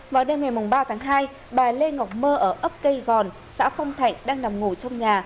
vào đêm ngày ba tháng hai bà lê ngọc mơ ở ấp cây gòn xã phong thạnh đang nằm ngủ trong nhà